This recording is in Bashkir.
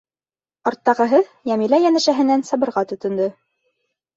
Арттағыһы Йәмилә йәнәшәһенән сабырға тотондо.